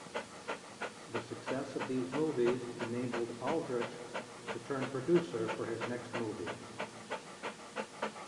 The success of these movies enabled Aldrich to turn producer for his next movies.